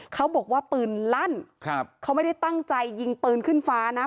เขาบอกว่าปืนลั่นเขาไม่ได้ตั้งใจยิงปืนขึ้นฟ้านะ